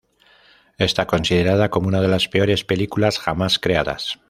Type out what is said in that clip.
Está considerada como una de las peores películas jamás creadas.